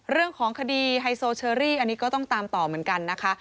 เรื่องของคดีไฮโซเชอรี่อันนี้ก็ต้องตามต่อเหมือนกันนะคะ